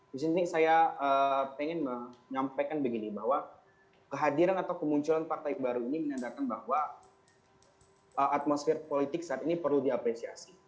di sini saya ingin menyampaikan begini bahwa kehadiran atau kemunculan partai baru ini menandakan bahwa atmosfer politik saat ini perlu diapresiasi